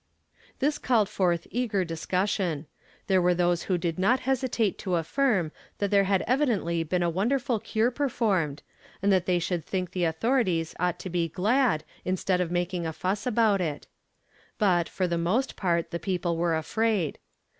This called forth eager discussion; there were those who did not hesitate to affirm that there had evidently been a wonderful cure performed, and that they should think the authorities ought to be glad, instead of making a fuss about it. But, for the most part, the people were afraid.